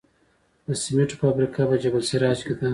د سمنټو فابریکه په جبل السراج کې ده